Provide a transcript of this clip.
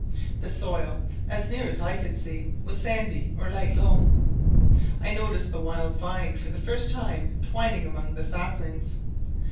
The soil, as near as I could see, was sandy or light loam. I noticed the wild vine for the first time twining among the saplings.